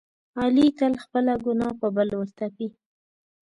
علي تل خپله ګناه په بل ورتپي.